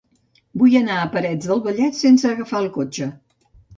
Vull anar a Parets del Vallès sense agafar el cotxe.